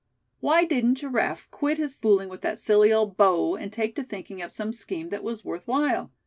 Why didn't Giraffe quit his fooling with that silly old bow, and take to thinking up some scheme that was worth while?